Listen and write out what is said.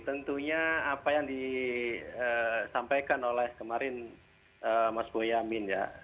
tentunya apa yang disampaikan oleh kemarin mas boyamin ya